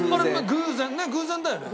偶然偶然。